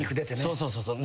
そうそうそうそう。